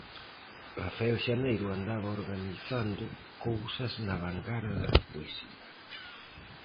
Rafael Xaneiro andaba organizando cousas na vangarda da poesía.